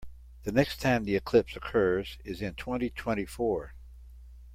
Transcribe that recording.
The next time the eclipse occurs is in twenty-twenty-four.